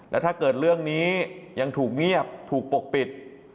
แล้วถ้าเกิดเรื่องนี้ยังถูกเงียบถูกปกปิด